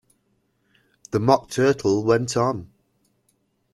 The Mock Turtle went on.